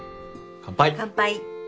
乾杯。